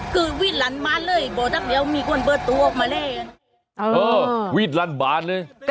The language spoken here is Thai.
กระทั่งก็ช่วยกันอ่ะนะคะ